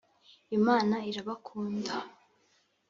Imana irabakunda